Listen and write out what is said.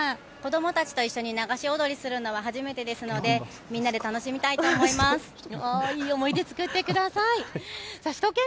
子どもたちと一緒に流し踊りをするのは初めてですのでみんなで楽しみたいと思いますいい思い出作ってください。